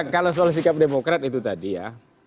kalau soal sikap demokrat itu tadi ya